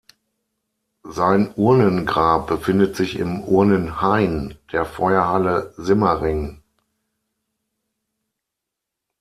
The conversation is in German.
Sein Urnengrab befindet sich im Urnenhain der Feuerhalle Simmering.